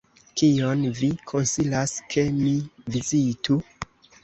Kion vi konsilas, ke mi vizitu?